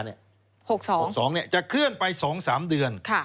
๖๒๖๒จะเคลื่อนไป๒๓เดือน